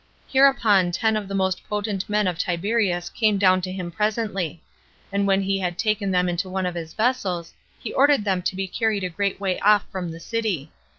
Hereupon ten of the most potent men of Tiberias came down to him presently; and when he had taken them into one of his vessels, he ordered them to be carried a great way off from the city.